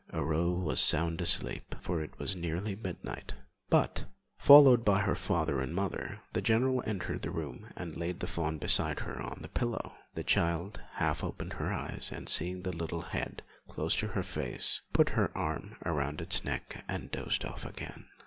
Aurore was sound asleep, for it was nearly midnight, but, followed by her father and mother, the general entered the room and laid the fawn beside her on the pillow. The child half opened her eyes, and seeing the little head close to her face, put her arm round its neck and dozed off again.